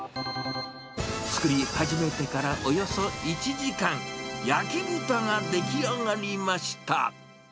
作り始めてからおよそ１時間、焼き豚が出来上がりました。